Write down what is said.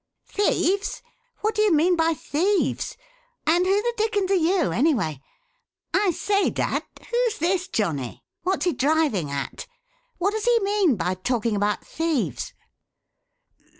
"Thieves? What do you mean by thieves? And who the dickens are you, anyway? I say, dad, who's this johnnie? What's he driving at? What does he mean by talking about thieves?"